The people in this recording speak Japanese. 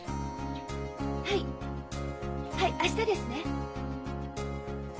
はいはい明日ですね？